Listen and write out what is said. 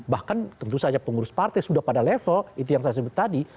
bahkan tentu saja pengurus partai sudah pada level itu yang saya sebut tadi